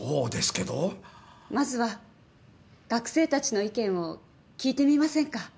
まずは学生たちの意見を聞いてみませんか？